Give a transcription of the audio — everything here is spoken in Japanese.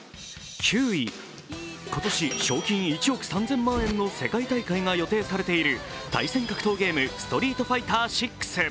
今年賞金１億３０００万円の世界大会が予定されている対戦格闘ゲーム「ストリートファイター６」。